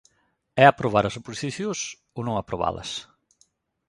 É aprobar oposicións ou non aprobalas.